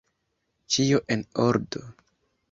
Ĉio, en ordo.